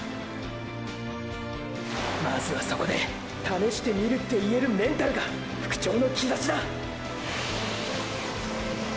まずはそこで「試してみる」って言えるメンタルが復調のキザシだ！！